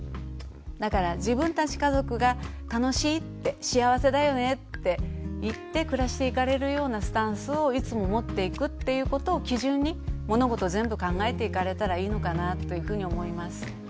だから自分たち家族が楽しいって幸せだよねって言って暮らしていかれるようなスタンスをいつも持っていくっていうことを基準に物事全部考えていかれたらいいのかなというふうに思います。